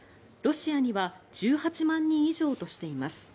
ロシアには１８万人以上としています。